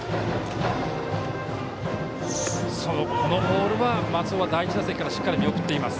このボールは松尾は第１打席からしっかり見送っています。